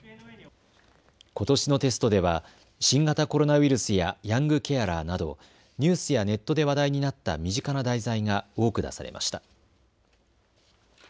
ことしのテストでは新型コロナウイルスやヤングケアラーなどニュースやネットで話題になった身近な題材が多く出されました。